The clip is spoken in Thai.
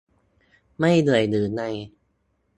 ไม่เหนื่อยหรือไง